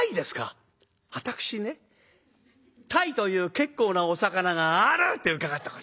私ね鯛という結構なお魚があるって伺ったことがある。